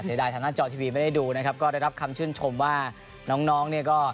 ทางหน้าจอทีวีไม่ได้ดูนะครับก็ได้รับคำชื่นชมว่าน้องน้องเนี่ยก็